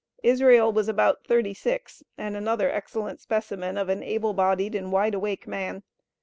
Israel was about thirty six, and another excellent specimen of an able bodied and wide awake man.